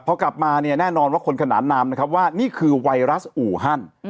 พอกลับมาเนี่ยแน่นอนว่าคนขนานนามนะครับว่านี่คือไวรัสอู่ฮัน